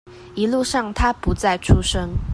一路上他不再出聲